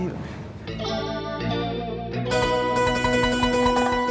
ini amplopnya pak ustadz